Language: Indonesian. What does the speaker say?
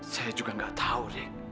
saya juga gak tahu